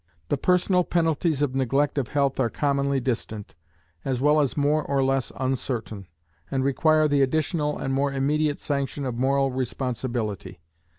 The personal penalties of neglect of health are commonly distant, as well as more or less uncertain, and require the additional and more immediate sanction of moral responsibility.